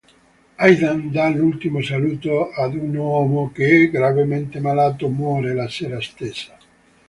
Aidan dà l'ultimo saluto ad un uomo che, gravemente malato, muore la sera stessa.